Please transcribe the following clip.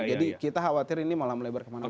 jadi kita khawatir ini malah melebar kemana mana